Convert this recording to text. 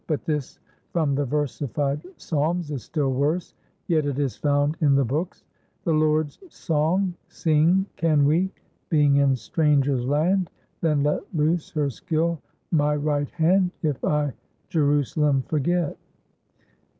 But this from the versified Psalms is still worse, yet it is found in the books: "The Lord's song sing can we? being in stranger's land, then let lose her skill my right hand if I Jerusalem forget."